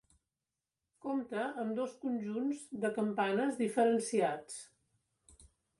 Compta amb dos conjunts de campanes diferenciats.